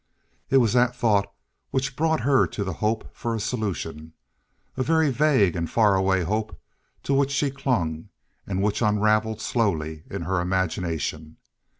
It was that thought which brought her to the hope for a solution. A very vague and faraway hope to which she clung and which unravelled slowly in her imagination.